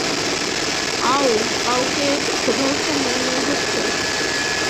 অও, কাউকে ক্ষুধার্ত মনে হচ্ছে।